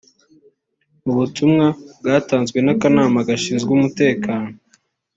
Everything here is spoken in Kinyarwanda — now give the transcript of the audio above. Mu butumwa bwatanzwe n’akanama gashinzwe umutekano